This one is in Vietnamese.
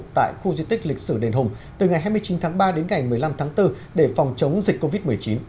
tại khu di tích lịch sử đền hùng từ ngày hai mươi chín tháng ba đến ngày một mươi năm tháng bốn để phòng chống dịch covid một mươi chín